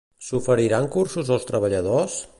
S'oferiran cursos als treballadors?